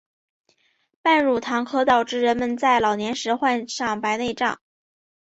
半乳糖可导致人们在老年时患上白内障。